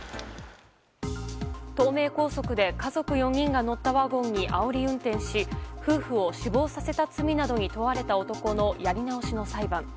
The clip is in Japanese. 東名高速で家族４人が乗ったワゴンにあおり運転し夫婦を死亡させた罪などに問われた男のやり直しの裁判。